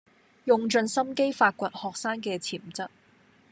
用盡心機發掘學生既潛質